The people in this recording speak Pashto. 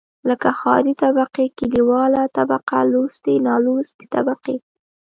لکه ښاري طبقې، کليواله طبقه لوستې، نالوستې طبقې.